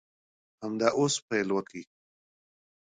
همدا اوس پيل وکړئ.